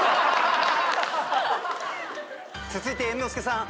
続いて猿之助さん。